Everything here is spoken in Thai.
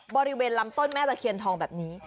บริเวณลำต้นแม่ตะเคียนทองแบบนี้